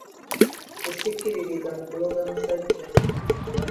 Nze sikkiririza mu kuloga musajja.